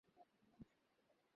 যোগেনের কথা কিছুই লেখ নাই।